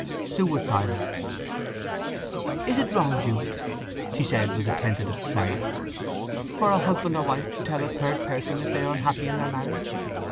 Sue was silent. "Is it wrong, Jude," she said with a tentative tremor, "for a husband or wife to tell a third person that they are unhappy in their marriage?